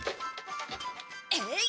えい！